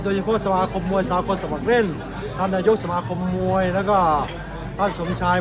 โดยเฉพาะสมาคมมวยสากลสมัครเล่นท่านนายกสมาคมมวยแล้วก็ท่านสมชาย